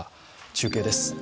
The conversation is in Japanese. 中継です。